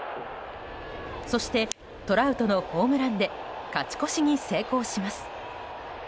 そして、トラウトのホームランで勝ち越しに成功します。